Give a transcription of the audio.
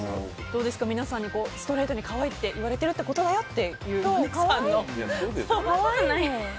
どうですか皆さんにストレートに可愛いって言われてるってことだよっていう。